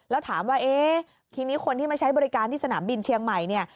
แล้วถามว่าเอ๊ะทีนี้คนที่มาใช้บริการที่สนามบินเชียงใหม่เนี่ย